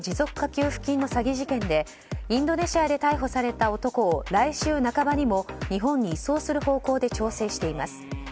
給付金の詐欺事件でインドネシアで逮捕された男を来週半ばにも日本に移送する方向で調整しています。